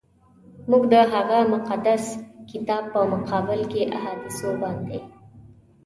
موږ د هغه مقدس کتاب په مقابل کي په احادیثو باندي.